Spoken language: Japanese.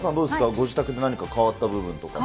ご自宅で何か変わった部分とかって。